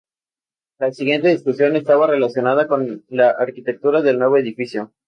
La siguiente discusión estaba relacionada con la arquitectura del nuevo edificio.